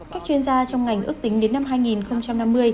các chuyên gia trong ngành ước tính đến năm hai nghìn năm mươi